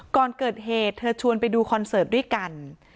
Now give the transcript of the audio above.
ก่อนเกิดเหตุเธอชวนไปดูคอนเสิร์ตด้วยกัน